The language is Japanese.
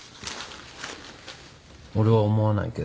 俺は思わないけど。